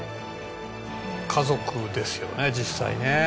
家族ですよね実際ね。